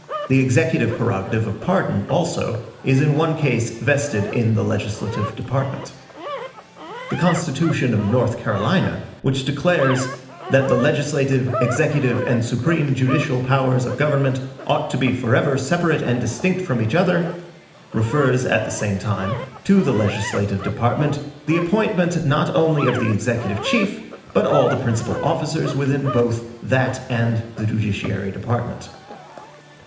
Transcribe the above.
The executive prerogative of pardon, also, is in one case vested in the legislative department. The constitution of North Carolina, which declares "that the legislative, executive, and supreme judicial powers of government ought to be forever separate and distinct from each other," refers, at the same time, to the legislative department, the appointment not only of the executive chief, but all the principal officers within both that and the judiciary department.